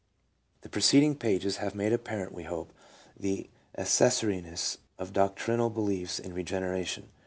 The preceding pages have made apparent, we hope, the ac cessoriness of doctrinal beliefs in regeneration.